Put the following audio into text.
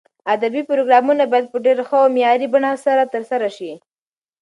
ادبي پروګرامونه باید په ډېر ښه او معیاري بڼه سره ترسره شي.